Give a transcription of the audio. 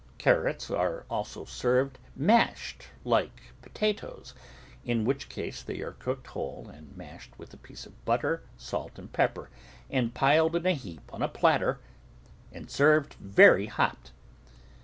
Carrots are also served mashed like potatoes, in which case they are cooked whole and mashed with a piece of butter, salt and pepper, and piled in a heap on a platter and served very hot.